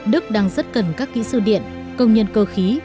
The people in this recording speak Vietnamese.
đức đang rất cần các kỹ sư điện công nhân cơ khí